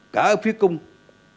cả phía công ty